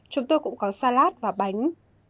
chúng tôi cũng có salad và bánh